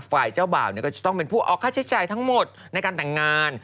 ฝ่ายเจ้าบ่าวก็จะต้องเป็นผู้ออกค่าใช้จ่ายทั้งหมดในการแต่งงาน